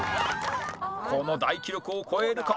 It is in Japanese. この大記録を超えるか？